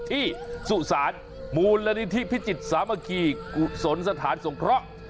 ที่สุสานมูลริธิพิจิตสามะคีสนสถานสงเคราะห์